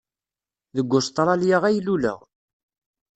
Deg Ustṛalya ay luleɣ.